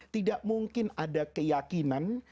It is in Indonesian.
tidak mungkin ada keyakinan